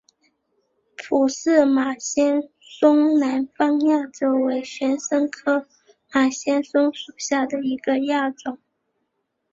普氏马先蒿南方亚种为玄参科马先蒿属下的一个亚种。